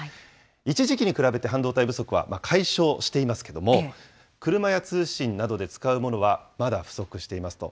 一時期に比べて半導体不足は解消していますけども、車や通信などで使うものはまだ不足していますと。